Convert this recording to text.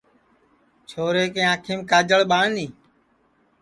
چھورے کے آنکھیم کاجݪ ٻانی